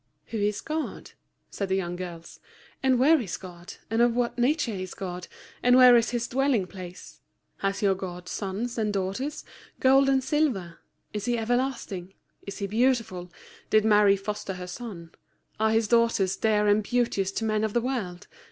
"Who is God?" said the young girls, "and where is God, and of what nature is God, and where is His dwelling place? Has your God sons and daughters, gold and silver? Is he everlasting? Is he beautiful? Did Mary foster her son? Are His daughters dear and beauteous to men of the world?